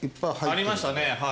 ありましたねはい。